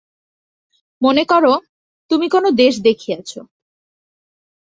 মনে কর, তুমি কোন দেশ দেখিয়াছ।